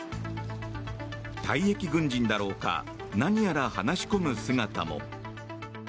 退役軍人だろうか何やら話し込む姿も。